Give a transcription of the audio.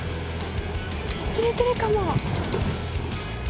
釣れてるかも。